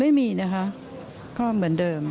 ไม่มีนะคะก็เหมือนเดิม